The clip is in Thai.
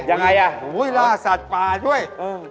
ยังไงครับอู้ล่าสัตว์ป่าด้วยเอ้อ